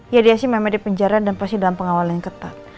ya dia sih memang di penjara dan pasti dalam pengawalan yang ketat